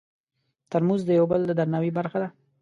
ترموز د یو بل د درناوي برخه ده.